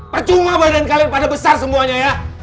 percuma badan kalian pada besar semuanya ya